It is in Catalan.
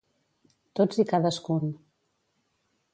Tots i cadascun.